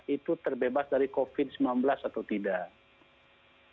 itu terbebas dari covid sembilan belas atau tidak